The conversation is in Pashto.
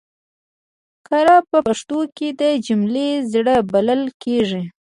کړ په پښتو کې د جملې زړه بلل کېږي.